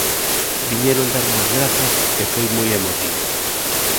Viñeron darme as grazas e foi moi emotivo.